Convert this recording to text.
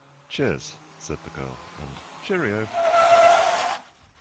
Cheers, said the girl, and cheerio